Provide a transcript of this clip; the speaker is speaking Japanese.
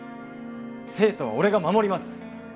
生徒は俺が守ります！